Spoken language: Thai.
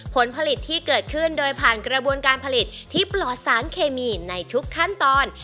ผลผลิตที่เกิดขึ้นโดยผ่านกระบวนการผลิตที่ปลอดสารเคมีในทุกขั้นตอน